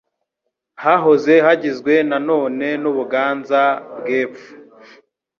Hahoze hagizwe na none n'u Buganza bw'Epfo